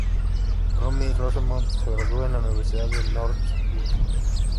Romy Rosemont se graduó en la Universidad de Northwestern.